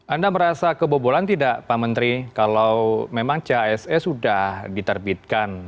anda merasa kebobolan tidak pak menteri kalau memang chse sudah diterbitkan